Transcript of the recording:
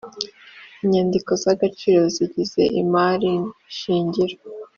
Inyandiko zagaciro zigize imari shingiro